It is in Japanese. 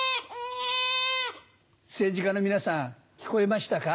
政治家の皆さん聞こえましたか？